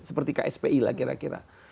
seperti kspi lah kira kira